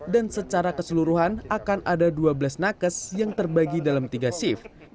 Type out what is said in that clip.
dan secara keseluruhan akan ada dua belas nakes yang terbagi dalam tiga shift